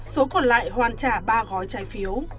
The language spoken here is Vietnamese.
số còn lại hoàn trả ba gói trái phiếu